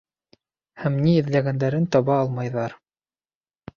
Һәм ни эҙләгәндәрен таба алмайҙар...